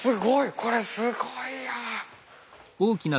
これすごい。